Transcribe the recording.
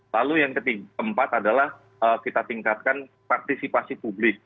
lalu yang keempat adalah kita tingkatkan partisipasi publik